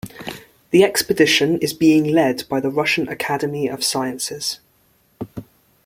The expedition is being led by the Russian Academy of Sciences.